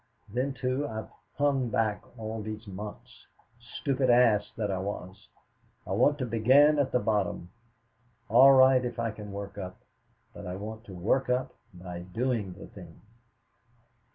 Then, too, I've hung back all these months, stupid ass that I was. I want to begin at the bottom. All right if I can work up, but I want to work up by doing the thing."